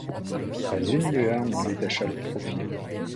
Pas une lueur n’en détacha le profil.